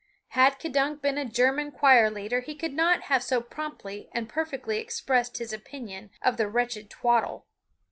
Had K'dunk been a German choir leader he could not have so promptly and perfectly expressed his opinion of the wretched twaddle.